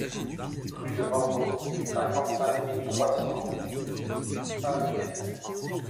Rue de Morvaux, cinquante-cinq mille trois cents Saint-Mihiel